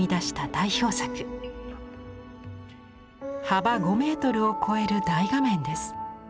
幅５メートルを超える大画面です。